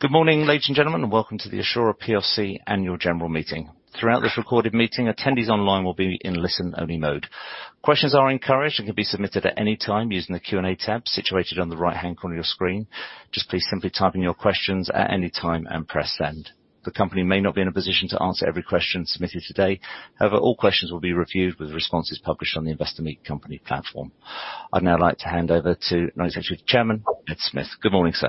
Good morning, ladies and gentlemen, and welcome to the Assura plc Annual General Meeting. Throughout this recorded meeting, attendees online will be in listen-only mode. Questions are encouraged and can be submitted at any time using the Q&A tab situated on the right-hand corner of your screen. Just please simply type in your questions at any time and press send. The company may not be in a position to answer every question submitted today. However, all questions will be reviewed with responses published on the Investor Meet Company platform. I'd now like to hand over to Non-Executive Chairman, Ed Smith. Good morning, sir.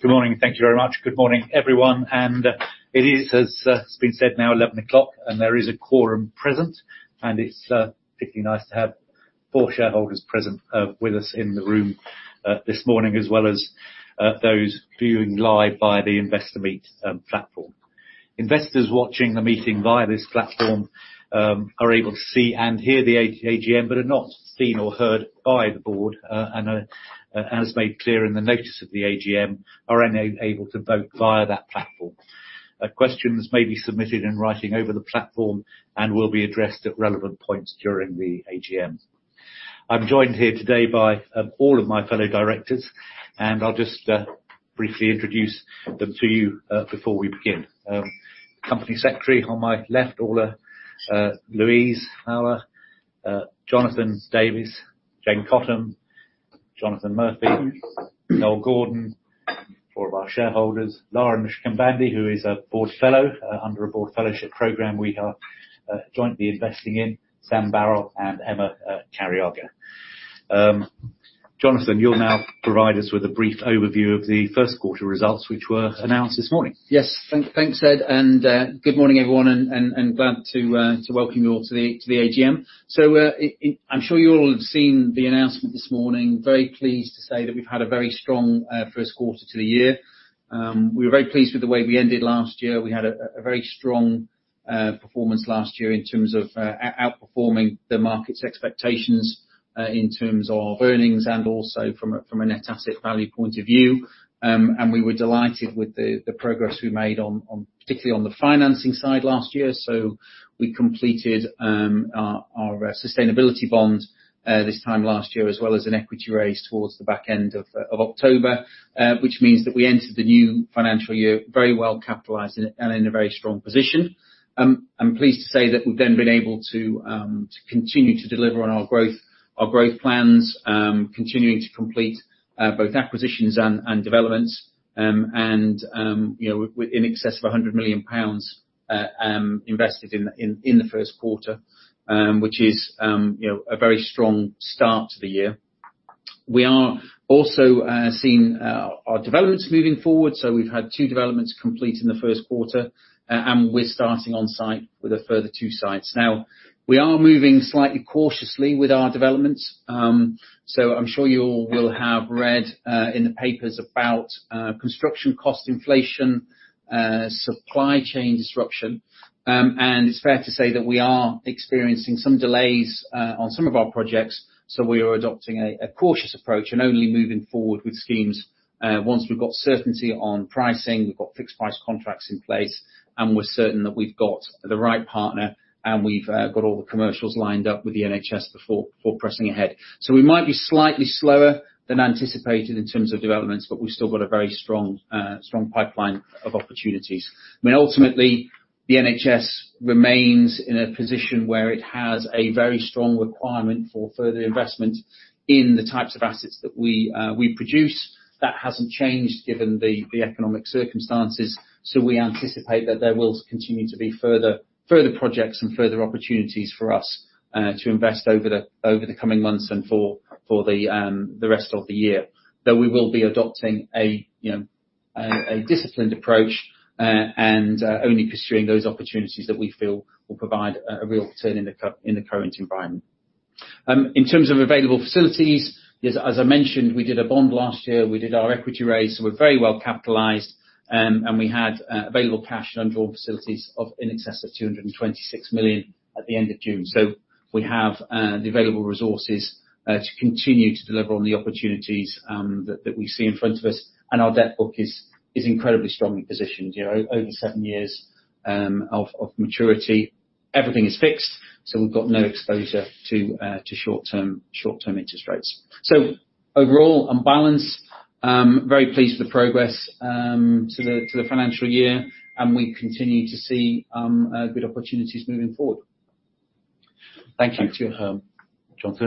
Good morning, and thank you very much. Good morning, everyone, and it is, as has been said, now 11 o'clock, and there is a quorum present. It's particularly nice to have four shareholders present with us in the room this morning, as well as those viewing live via the Investor Meet Company platform. Investors watching the meeting via this platform are able to see and hear the AGM but are not seen or heard by the board, and as made clear in the notice of the AGM, are not able to vote via that platform. Questions may be submitted in writing over the platform and will be addressed at relevant points during the AGM. I'm joined here today by all of my fellow directors, and I'll just briefly introduce them to you before we begin. Company secretary on my left, Orla, Louise Fowler, Jonathan Davies, Jayne Cottam, Jonathan Murphy, Noel Gordon, four of our shareholders. Lara Naqushbandi, who is a board fellow under a board fellowship program we are jointly investing in. Sam Barrell and Emma Cariaga. Jonathan, you'll now provide us with a brief overview of the first quarter results, which were announced this morning. Yes. Thanks, Ed, and good morning, everyone, and glad to welcome you all to the AGM. I'm sure you all have seen the announcement this morning. Very pleased to say that we've had a very strong first quarter to the year. We were very pleased with the way we ended last year. We had a very strong performance last year in terms of outperforming the market's expectations in terms of earnings and also from a net asset value point of view. We were delighted with the progress we made particularly on the financing side last year. We completed our sustainability bond this time last year, as well as an equity raise towards the back end of October, which means that we entered the new financial year very well capitalized and in a very strong position. I'm pleased to say that we've then been able to continue to deliver on our growth plans, continuing to complete both acquisitions and developments, and you know, with in excess of 100 million pounds invested in the first quarter, which is you know, a very strong start to the year. We are also seeing our developments moving forward, so we've had two developments complete in the first quarter, and we're starting on site with a further two sites. Now, we are moving slightly cautiously with our developments, so I'm sure you all will have read in the papers about construction cost inflation, supply chain disruption, and it's fair to say that we are experiencing some delays on some of our projects. We are adopting a cautious approach and only moving forward with schemes once we've got certainty on pricing, we've got fixed price contracts in place, and we're certain that we've got the right partner, and we've got all the commercials lined up with the NHS before pressing ahead. We might be slightly slower than anticipated in terms of developments, but we've still got a very strong pipeline of opportunities. I mean, ultimately, the NHS remains in a position where it has a very strong requirement for further investment in the types of assets that we produce. That hasn't changed given the economic circumstances, so we anticipate that there will continue to be further projects and further opportunities for us to invest over the coming months and for the rest of the year. Though we will be adopting a you know, a disciplined approach and only pursuing those opportunities that we feel will provide a real return in the current environment. In terms of available facilities, as I mentioned, we did a bond last year. We did our equity raise, so we're very well capitalized, and we had available cash and undrawn facilities of in excess of 226 million at the end of June. We have the available resources to continue to deliver on the opportunities that we see in front of us, and our debt book is incredibly strongly positioned. You know, over seven years of maturity, everything is fixed, so we've got no exposure to short-term interest rates. Overall, on balance, very pleased with the progress to the financial year, and we continue to see good opportunities moving forward. Thank you, Jonathan.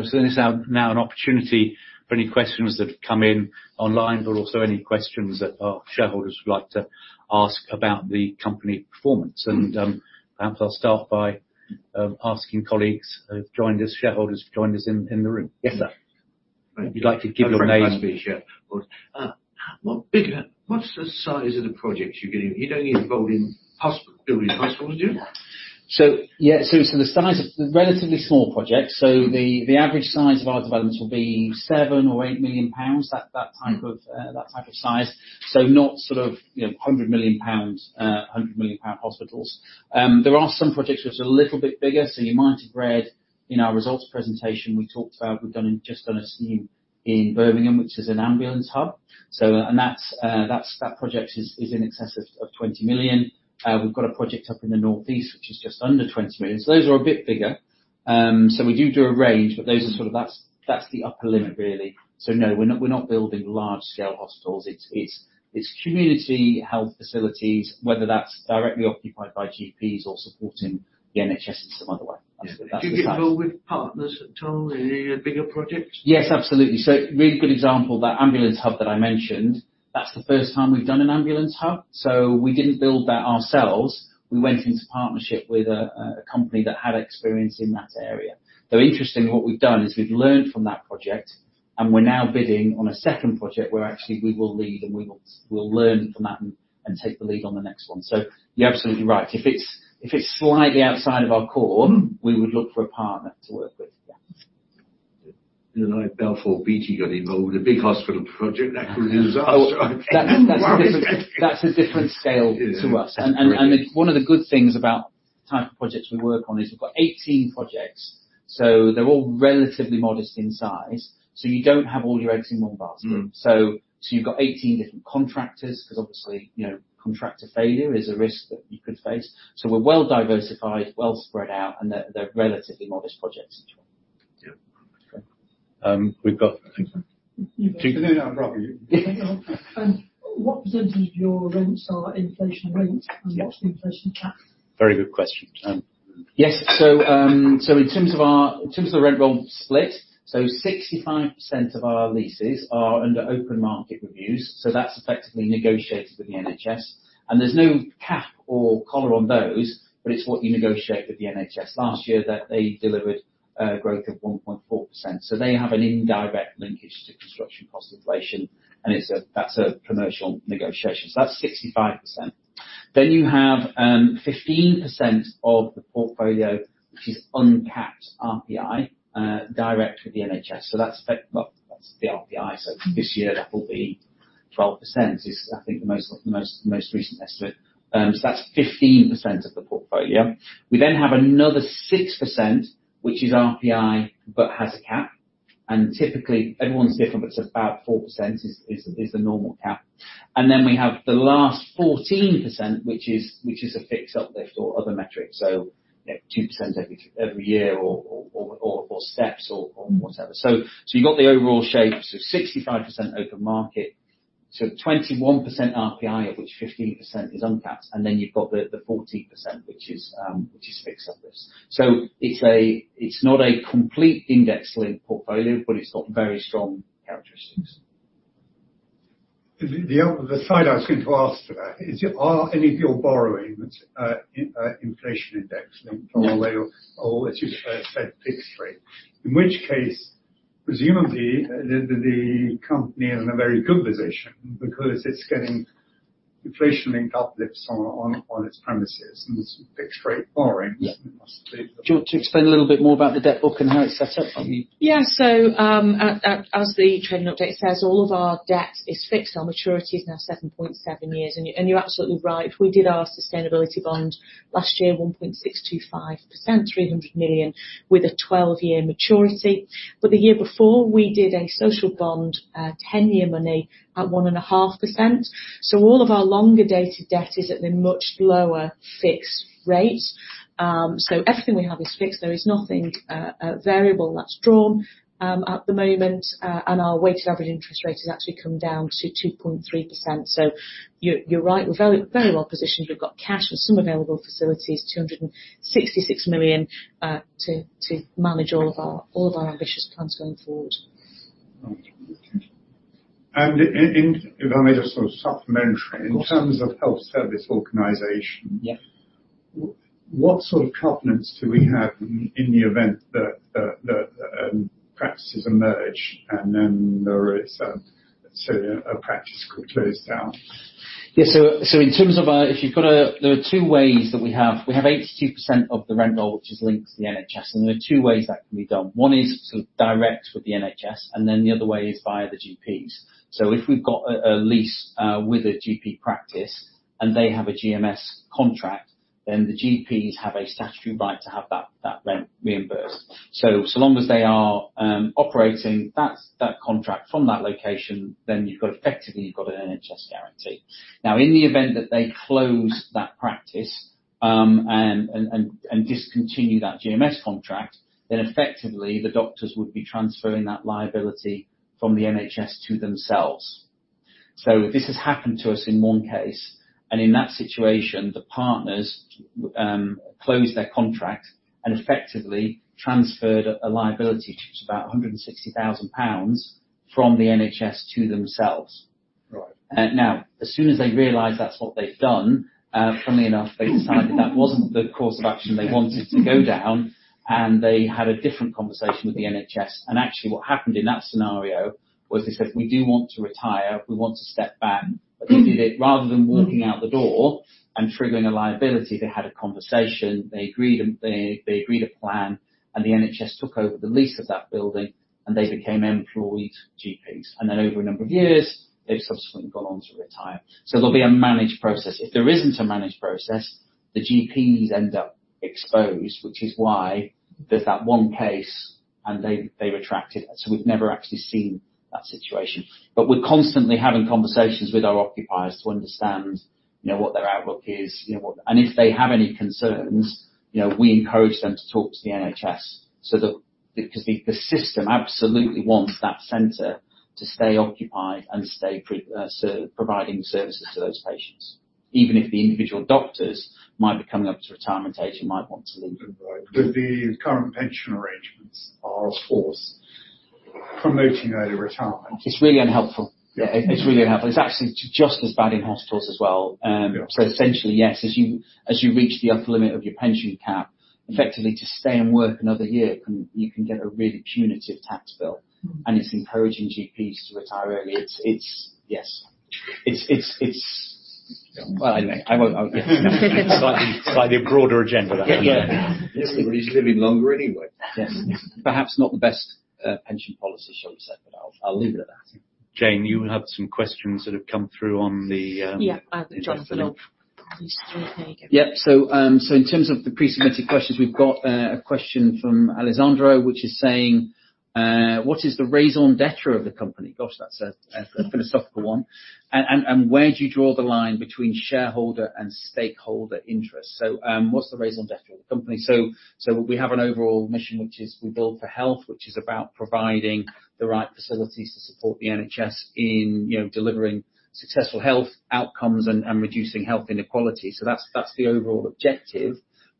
This is now an opportunity for any questions that have come in online but also any questions that our shareholders would like to ask about the company performance. Perhaps I'll start by asking colleagues who have joined us, shareholders who have joined us in the room. Yes, sir. Thank you. If you'd like to give your name. Very pleased to be a shareholder. What's the size of the projects you're doing? You're not only involved in building hospitals, are you? Yeah. The size of relatively small projects. The average size of our developments will be 7 million-8 million pounds, that type of size. Not sort of, you know, 100 million pounds, 100 million pound hospitals. There are some projects which are a little bit bigger. You might have read in our results presentation we talked about, we've just done a scheme in Birmingham, which is an ambulance hub. That project is in excess of 20 million. We've got a project up in the Northeast which is just under 20 million. Those are a bit bigger. We do a range, but those are sort of that's the upper limit really. No, we're not building large scale hospitals. It's community health facilities, whether that's directly occupied by GPs or supporting the NHS in some other way. Do you get involved with partners at all in any bigger projects? Yes, absolutely. Really good example, that ambulance hub that I mentioned, that's the first time we've done an ambulance hub. We didn't build that ourselves. We went into partnership with a company that had experience in that area. Though interestingly, what we've done is we've learned from that project and we're now bidding on a second project where actually we will lead and we'll learn from that and take the lead on the next one. You're absolutely right. If it's slightly outside of our core, we would look for a partner to work with. Yeah. You know, like Balfour Beatty got involved in a big hospital project. Absolute disaster. That's a different scale to us. Yeah. One of the good things about type of projects we work on is we've got 18 projects, so they're all relatively modest in size, so you don't have all your eggs in one basket. Mm. You've got 18 different contractors 'cause obviously, you know, contractor failure is a risk that you could face. We're well diversified, well spread out, and they're relatively modest projects. Yeah. Okay. No, no. After you. What percentage of your rents are inflation linked, and what's the inflation cap? Very good question. Yes. In terms of our rent roll split, 65% of our leases are under open market rent reviews. That's effectively negotiated with the NHS. There's no cap or collar on those, but it's what you negotiate with the NHS. Last year they delivered growth of 1.4%, so they have an indirect linkage to construction cost inflation, and that's a commercial negotiation. That's 65%. Then you have 15% of the portfolio which is uncapped RPI direct with the NHS. Well, that's the RPI. This year that will be 12%, I think, is the most recent estimate. That's 15% of the portfolio. We then have another 6%, which is RPI, but has a cap, and typically everyone's different, but it's about 4% is the normal cap. We have the last 14%, which is a fixed uplift or other metrics. You know, 2% every year or steps or whatever. You've got the overall shape. 65% open market. 21% RPI, of which 15% is uncapped. You've got the 14%, which is fixed uplift. It's not a complete index-linked portfolio, but it's got very strong characteristics. The side I was going to ask for that is, are any of your borrowings, inflation index-linked from a lender- Yeah. Is it a fixed rate? In which case, presumably the company is in a very good position because it's getting inflation linked uplifts on its premises and fixed rate borrowings. Yeah. Must be. Do you want to explain a little bit more about the debt book and how it's set up, Jayne? Yeah. As the trading update says, all of our debt is fixed. Our maturity is now 7.7 years. You are absolutely right. If we did our sustainability bond last year, 1.625%, 300 million with a 12-year maturity. The year before we did a social bond, 10-year money at 1.5%. All of our longer dated debt is at a much lower fixed rate. Everything we have is fixed. There is nothing variable that's drawn at the moment. Our weighted average interest rate has actually come down to 2.3%. You are right. We are very, very well positioned. We've got cash with some available facilities, 266 million to manage all of our ambitious plans going forward. Thank you. If I may just sort of supplementary. Of course. In terms of health service organization. Yeah. What sort of covenants do we have in the event that practices emerge and then there is say a practice could close down? In terms of, there are two ways that we have. We have 82% of the rent roll, which is linked to the NHS, and there are two ways that can be done. One is sort of direct with the NHS and then the other way is via the GPs. If we've got a lease with a GP practice and they have a GMS contract, then the GPs have a statutory right to have that rent reimbursed. So long as they are operating that contract from that location, then you've got effectively an NHS guarantee. Now, in the event that they close that practice and discontinue that GMS contract, then effectively the doctors would be transferring that liability from the NHS to themselves. This has happened to us in one case, and in that situation, the partners closed their contract and effectively transferred a liability to about 160,000 pounds from the NHS to themselves. Right. Now, as soon as they realized that's what they've done, funnily enough, they decided that wasn't the course of action they wanted to go down, and they had a different conversation with the NHS. Actually what happened in that scenario was they said, "We do want to retire. We want to step back." They did it rather than walking out the door and triggering a liability, they had a conversation, they agreed and they agreed a plan and the NHS took over the lease of that building, and they became employed GPs. Over a number of years, they've subsequently gone on to retire. There'll be a managed process. If there isn't a managed process, the GPs end up exposed, which is why there's that one case. They've attracted. We've never actually seen that situation. We're constantly having conversations with our occupiers to understand, you know, what their outlook is, you know. If they have any concerns, you know, we encourage them to talk to the NHS so that, because the system absolutely wants that center to stay occupied and stay open, so providing services to those patients, even if the individual doctors might be coming up to retirement age and might want to leave. Right. The current pension arrangements are, of course, promoting early retirement. It's really unhelpful. Yeah. It's really unhelpful. It's actually just as bad in hospitals as well. Yes. Essentially, yes, as you reach the upper limit of your pension cap, effectively to stay and work another year, you can get a really punitive tax bill, and it's encouraging GPs to retire early. It's. Yes. It's. Well, I know. I won't. Slightly broader agenda. Yeah. Everybody's living longer anyway. Yes. Perhaps not the best pension policy, shall we say, but I'll leave it at that. Jayne, you had some questions that have come through on the, Yeah. The chat for me. Please do. There you go. Yep. In terms of the pre-submitted questions, we've got a question from Alessandro which is saying, "What is the raison d'être of the company?" Gosh, that's a philosophical one. "And where do you draw the line between shareholder and stakeholder interest?" What's the raison d'être of the company? We have an overall mission, which is we build for health, which is about providing the right facilities to support the NHS in, you know, delivering successful health outcomes and reducing health inequality. That's the overall objective.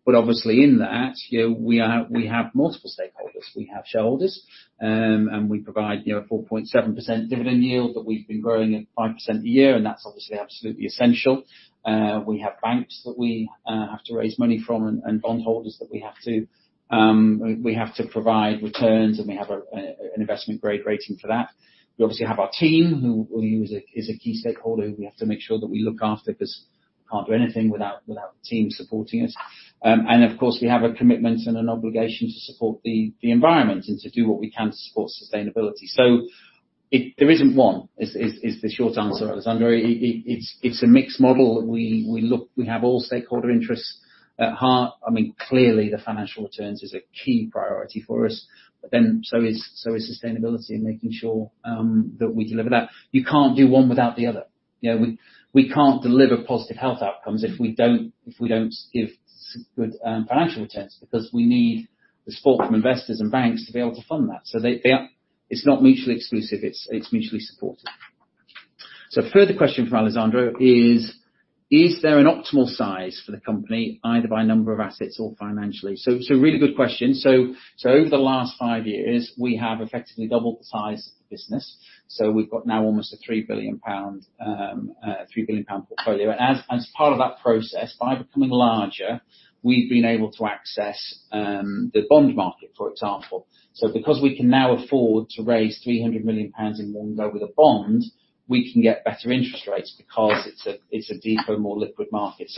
Obviously, in that, you know, we have multiple stakeholders. We have shareholders, and we provide, you know, a 4.7% dividend yield that we've been growing at 5% a year, and that's obviously absolutely essential. We have banks that we have to raise money from and bondholders that we have to provide returns, and we have an investment-grade rating for that. We obviously have our team who we'll use as a key stakeholder who we have to make sure that we look after 'cause we can't do anything without the team supporting us. Of course, we have a commitment and an obligation to support the environment and to do what we can to support sustainability. There isn't one, is the short answer, Alessandro. It's a mixed model that we have all stakeholder interests at heart. I mean, clearly, the financial returns is a key priority for us, but then so is sustainability and making sure that we deliver that. You can't do one without the other. You know, we can't deliver positive health outcomes if we don't give good financial returns because we need the support from investors and banks to be able to fund that. It's not mutually exclusive. It's mutually supportive. A further question from Alessandro is. Is there an optimal size for the company, either by number of assets or financially? Really good question. Over the last five years, we have effectively doubled the size of the business. We've got now almost a 3 billion pound portfolio. And as part of that process, by becoming larger, we've been able to access the bond market, for example. Because we can now afford to raise 300 million pounds in one go with a bond, we can get better interest rates because it's a deeper, more liquid market.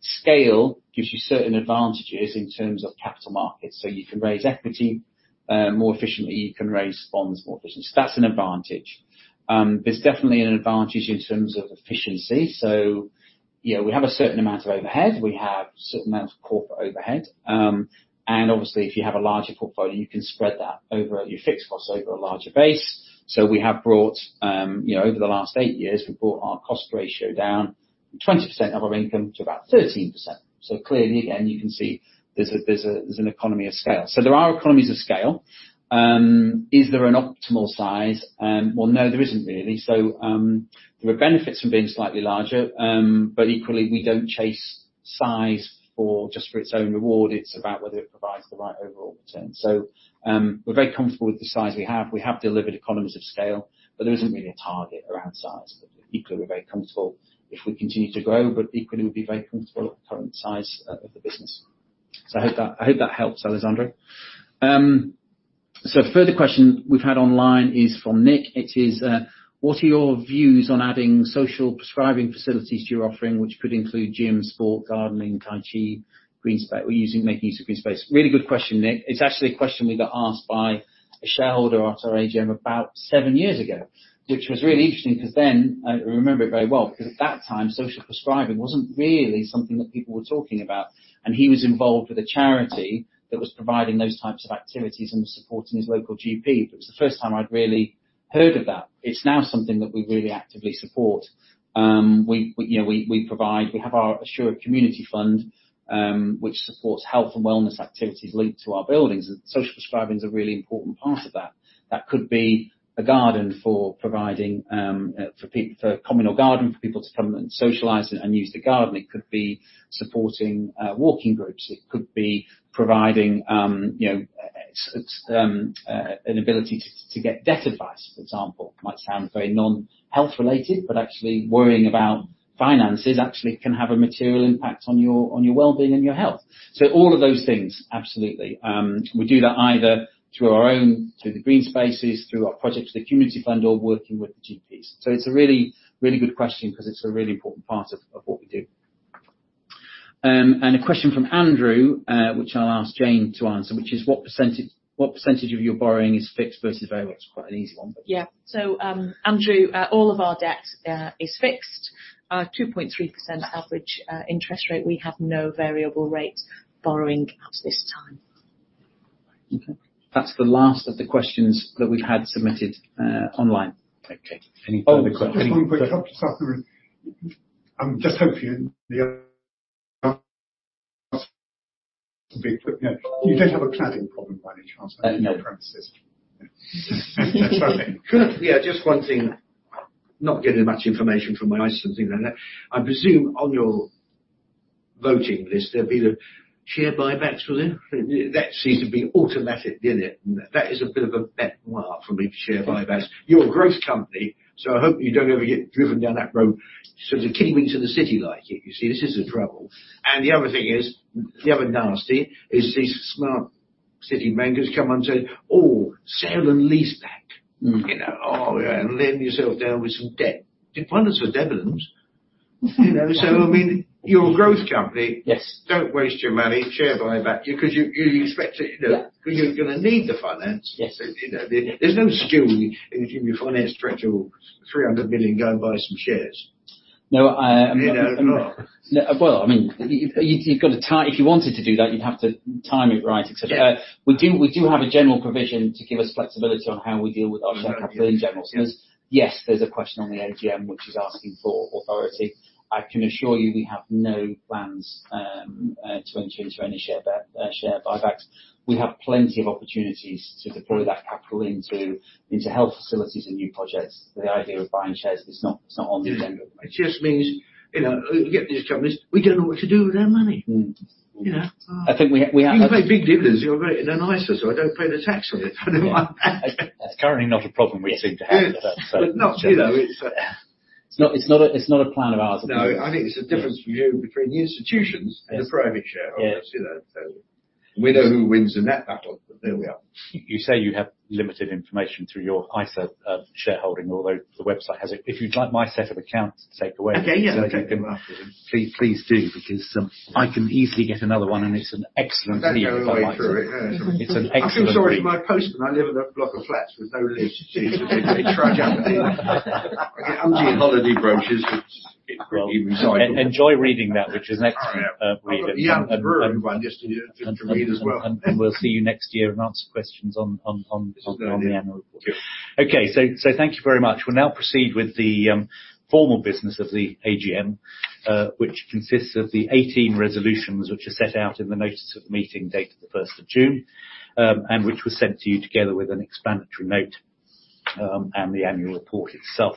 Scale gives you certain advantages in terms of capital markets. You can raise equity more efficiently. You can raise bonds more efficiently. That's an advantage. There's definitely an advantage in terms of efficiency. You know, we have a certain amount of overhead. We have a certain amount of corporate overhead. Obviously, if you have a larger portfolio, you can spread that over your fixed costs over a larger base. You know, over the last eight years, we have brought our cost ratio down from 20% of our income to about 13%. Clearly, again, you can see there's an economy of scale. There are economies of scale. Is there an optimal size? Well, no, there isn't really. There are benefits from being slightly larger, but equally, we don't chase size for its own reward. It's about whether it provides the right overall return. We're very comfortable with the size we have. We have delivered economies of scale, but there isn't really a target around size. We're very comfortable if we continue to grow, but equally, we'd be very comfortable at the current size of the business. I hope that helps, Alessandro. A further question we've had online is from Nick. What are your views on adding social prescribing facilities to your offering, which could include gym, sport, gardening, tai chi, green spa or using, making use of green space? Really good question, Nick. It's actually a question we got asked by a shareholder at our AGM about seven years ago, which was really interesting 'cause then, I remember it very well, 'cause at that time, social prescribing wasn't really something that people were talking about. He was involved with a charity that was providing those types of activities and supporting his local GP. It was the first time I'd really heard of that. It's now something that we really actively support. We, you know, provide. We have our Assura Community Fund, which supports health and wellness activities linked to our buildings. Social prescribing is a really important part of that. That could be a garden for providing for a communal garden for people to come and socialize and use the garden. It could be supporting walking groups. It could be providing you know an ability to get debt advice, for example. Might sound very non-health-related, but actually worrying about finances actually can have a material impact on your well-being and your health. All of those things, absolutely. We do that either through our own, through the green spaces, through our projects with the community fund or working with the GPs. It's a really, really good question 'cause it's a really important part of what we do. A question from Andrew, which I'll ask Jayne to answer, which is: What percentage of your borrowing is fixed versus variable? It's quite an easy one. Yeah. Andrew, all of our debt is fixed. 2.3% average interest rate. We have no variable rate borrowing at this time. Okay. That's the last of the questions that we've had submitted online. Okay. Any further questions? Oh, just one quick Yeah. I'm just hoping you don't have a cladding problem by any chance? No. On your premises? Sorry. Could- Yeah, just one thing. Not getting much information from my ISAs and things like that. I presume on your voting list, there'll be the share buybacks, will there? That seems to be automatic, didn't it? That is a bit of a pet peeve for me to share buybacks. You're a growth company, so I hope you don't ever get driven down that road. Sort of kidding me to the city like it. You see, this is the trouble. The other thing is, the other nasty is these smart city bankers come and say, "Oh, sell and lease back. Mm-hmm. You know, load yourself down with some debt. Dividends are dividends. You know, I mean, you're a growth company. Yes. Don't waste your money share buyback, because you expect it, you know. Yeah. You're gonna need the finance. Yes. You know, there's no skew in your financial structure, 300 billion, go and buy some shares. No, I You're not gonna. No. Well, I mean, you've got to time it. If you wanted to do that, you'd have to time it right, et cetera. Yeah. We do have a general provision to give us flexibility on how we deal with our share capital in general. Okay. There's a question on the AGM which is asking for authority. I can assure you, we have no plans to enter into any share buybacks. We have plenty of opportunities to deploy that capital into health facilities and new projects. The idea of buying shares is not on the agenda. It just means, you know, you get these companies, we don't know what to do with our money. Mm-hmm. You know. I think we have. If you pay big dividends, you avoid it. They're nicer, so I don't pay the tax on it. That's currently not a problem we seem to have. Yeah. So. Not, you know, it's It's not a plan of ours. No, I think it's a different view between the institutions and the private shareholder. Yeah. You know. We know who wins the net battle, but there we are. You say you have limited information through your ISA shareholding, although the website has it. If you'd like my set of accounts to take away. Okay. Yeah. You can please do, because, I can easily get another one, and it's an excellent read. I'd rather go online through it. It's an excellent read. I feel sorry for my postman. I live in a block of flats with no relationships. They trudge up with empty holiday brochures, which get quickly recycled. Enjoy reading that, which is an excellent read. Yeah. I'll look at the annual report one just to read as well. We'll see you next year and answer questions on the annual report. Thank you. Okay. Thank you very much. We'll now proceed with the formal business of the AGM, which consists of the 18 resolutions which are set out in the notice of meeting dated the 1st of June, and which was sent to you together with an explanatory note, and the annual report itself.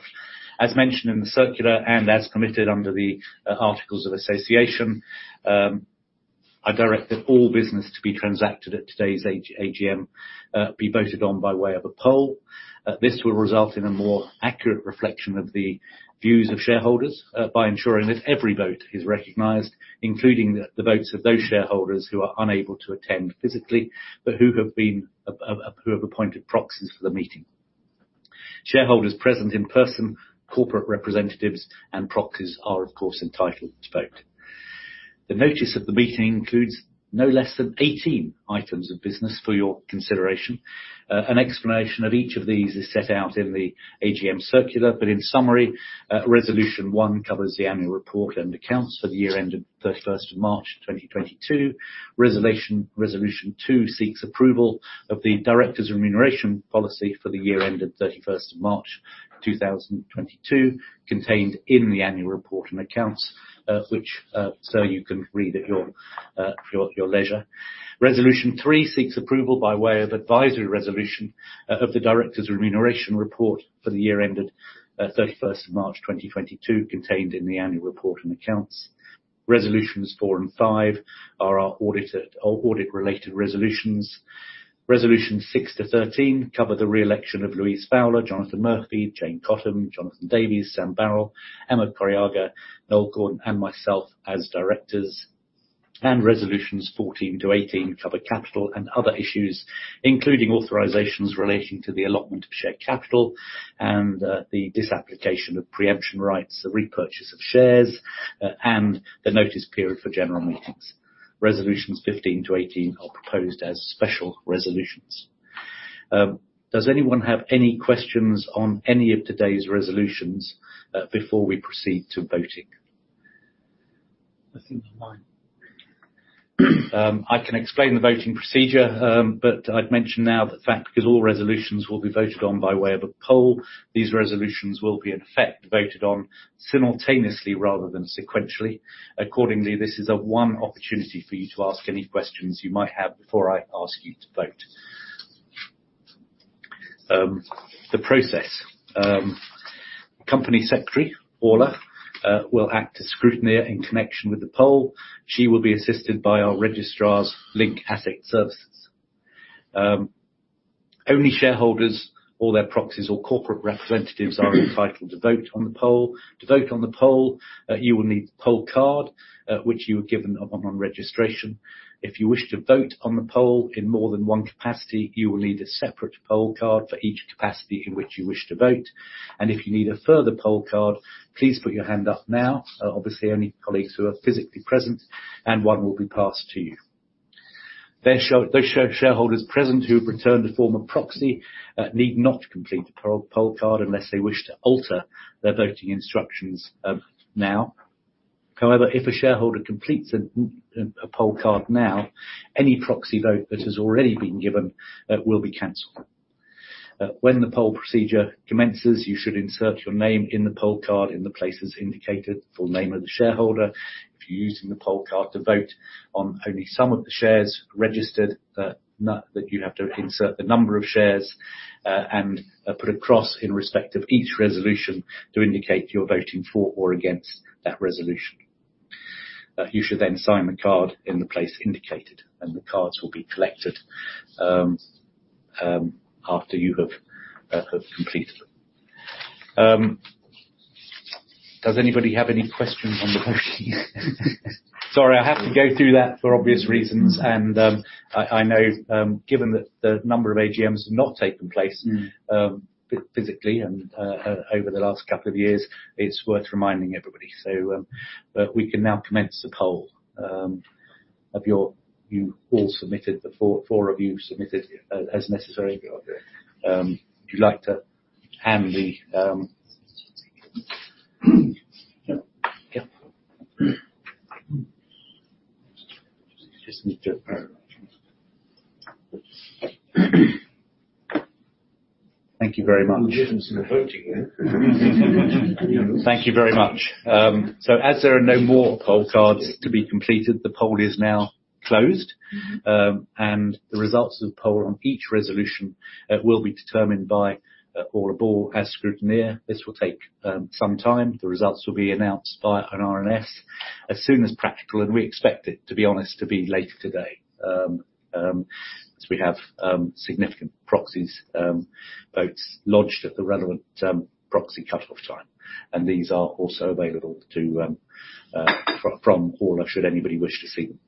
As mentioned in the circular and as committed under the articles of association, I direct that all business to be transacted at today's AGM be voted on by way of a poll. This will result in a more accurate reflection of the views of shareholders, by ensuring that every vote is recognized, including the votes of those shareholders who are unable to attend physically, but who have appointed proxies for the meeting. Shareholders present in person, corporate representatives, and proxies are, of course, entitled to vote. The notice of the meeting includes no less than 18 items of business for your consideration. An explanation of each of these is set out in the AGM circular. In summary, Resolution 1 covers the annual report and accounts for the year ended 31st of March 2022. Resolution 2 seeks approval of the directors' remuneration policy for the year ended 31st of March 2022, contained in the annual report and accounts, which so you can read at your leisure. Resolution 3 seeks approval by way of advisory resolution of the directors' remuneration report for the year ended 31st of March 2022, contained in the annual report and accounts. Resolutions 4 and 5 are our audit-related resolutions. Resolution 6-13 cover the re-election of Louise Fowler, Jonathan Murphy, Jayne Cottam, Jonathan Davies, Sam Barrell, Emma Cariaga, Noel Gordon, and myself as directors. Resolutions 14-18 cover capital and other issues, including authorizations relating to the allotment of share capital and the disapplication of preemption rights, the repurchase of shares, and the notice period for general meetings. Resolutions 15-18 are proposed as special resolutions. Does anyone have any questions on any of today's resolutions before we proceed to voting? I think I'm fine. I can explain the voting procedure, but I'd mention now the fact because all resolutions will be voted on by way of a poll. These resolutions will be, in effect, voted on simultaneously rather than sequentially. Accordingly, this is a one opportunity for you to ask any questions you might have before I ask you to vote. The process. Company Secretary, Orla, will act as scrutineer in connection with the poll. She will be assisted by our registrar, Link Asset Services. Only shareholders or their proxies or corporate representatives are entitled to vote on the poll. To vote on the poll, you will need the poll card, which you were given upon registration. If you wish to vote on the poll in more than one capacity, you will need a separate poll card for each capacity in which you wish to vote. If you need a further poll card, please put your hand up now. Obviously only colleagues who are physically present, and one will be passed to you. Those shareholders present who have returned a form of proxy need not complete the poll card unless they wish to alter their voting instructions now. However, if a shareholder completes a poll card now, any proxy vote that has already been given will be canceled. When the poll procedure commences, you should insert your name in the poll card in the places indicated, full name of the shareholder. If you're using the poll card to vote on only some of the shares registered, then you have to insert the number of shares, and put a cross in respect of each resolution to indicate you're voting for or against that resolution. You should then sign the card in the place indicated, and the cards will be collected after you have completed them. Does anybody have any questions on the voting? Sorry, I have to go through that for obvious reasons. I know, given that the number of AGMs have not taken place. Mm. Physically and over the last couple of years, it's worth reminding everybody. We can now commence the poll. Have you all submitted the form? Four of you submitted as necessary? We all did. Would you like to hand the? Yeah. Thank you very much. You'll get them some voting then. Thank you very much. As there are no more poll cards to be completed, the poll is now closed. The results of the poll on each resolution will be determined by Orla Ball as scrutineer. This will take some time. The results will be announced by an RNS as soon as practical, and we expect it, to be honest, to be later today. We have significant proxy votes lodged at the relevant proxy cutoff time, and these are also available from Orla should anybody wish to see them.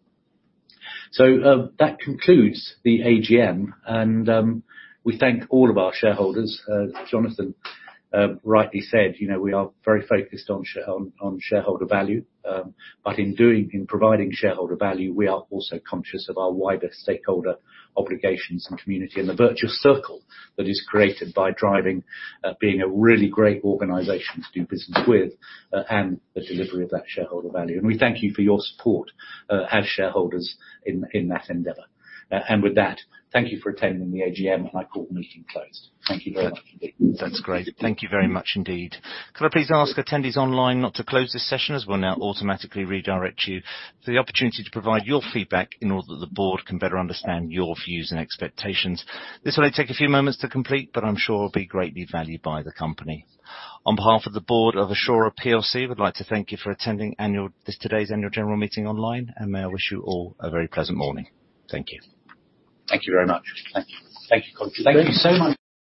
That concludes the AGM, and we thank all of our shareholders. As Jonathan rightly said, you know, we are very focused on shareholder value. In providing shareholder value, we are also conscious of our wider stakeholder obligations and community, and the virtuous circle that is created by driving, being a really great organization to do business with, and the delivery of that shareholder value. We thank you for your support, as shareholders in that endeavor. With that, thank you for attending the AGM, and I call the meeting closed. Thank you very much. That's great. Thank you very much indeed. Could I please ask attendees online not to close this session as we'll now automatically redirect you to the opportunity to provide your feedback in order that the board can better understand your views and expectations. This will only take a few moments to complete, but I'm sure will be greatly valued by the company. On behalf of the board of Assura plc, we'd like to thank you for attending this today's annual general meeting online, and may I wish you all a very pleasant morning. Thank you. Thank you very much. Thank you. Thank you. Thank you so much.